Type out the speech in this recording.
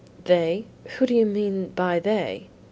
"They? Who do you mean by they?"